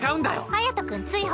隼君追放。